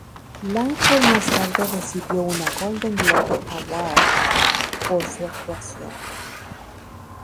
Langford más tarde recibió una Golden Globe Award por su actuación.